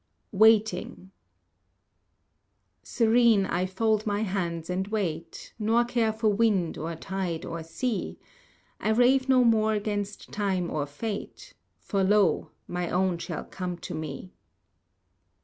WAITING Serene, I fold my hands and wait, Nor care for wind, or tide, or sea; I rave no more 'gainst time or fate, For lo! my own shall come to me.